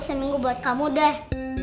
seminggu buat kamu deh